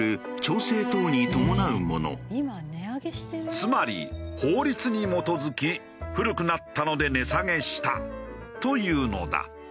つまり法律に基づき古くなったので値下げしたというのだ。